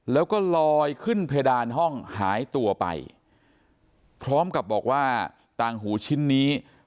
แล้วก็ลอยขึ้นเพดานห้องหายตัวไปพร้อมกับบอกว่าต่างหูชิ้นนี้